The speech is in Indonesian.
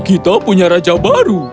kita punya raja baru